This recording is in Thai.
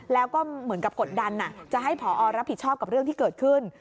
แล้วก็เหมือนกับกดดันจะให้ผอรับผิดชอบกับเรื่องที่เกิดขึ้น